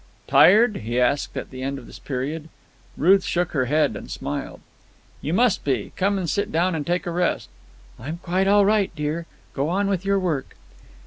"Tired?" he asked at the end of this period. Ruth shook her head and smiled. "You must be. Come and sit down and take a rest." "I'm quite all right, dear. Go on with your work."